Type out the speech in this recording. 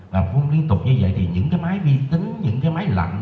và phun liên tục như vậy thì những cái máy vi tính những cái máy lạnh